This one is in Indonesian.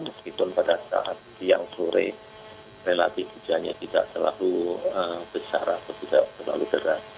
meskipun pada saat siang sore relatif hujannya tidak terlalu besar atau tidak terlalu deras